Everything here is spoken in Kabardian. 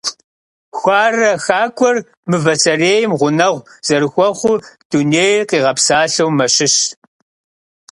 Хуарэ хакӀуэр мывэ сэрейм гъунэгъу зэрыхуэхъуу дунейр къигъэпсалъэу мэщыщ.